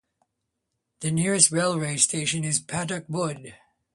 The nearest railway station is Paddock Wood.